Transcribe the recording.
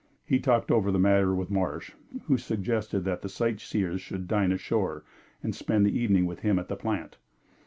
He talked over the matter with Marsh, who suggested that the sightseers should dine ashore and spend the evening with him at the plant.